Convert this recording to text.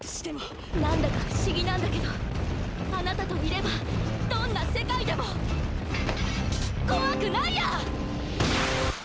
何だか不思議なんだけどあなたといればどんな世界でも怖くないや！